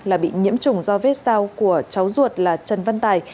là bị nhiễm chủng do vết sao của cháu ruột là trần văn tài